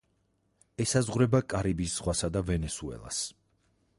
ესაზღვრება კარიბის ზღვასა და ვენესუელას.